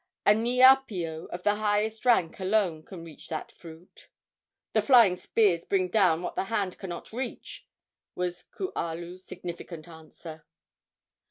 "A niapio of the highest rank alone can reach that fruit." "The flying spear brings down what the hand cannot reach," was Kualu's significant answer.